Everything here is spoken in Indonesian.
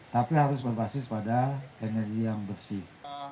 tapi harus berbasis pada energi yang bersih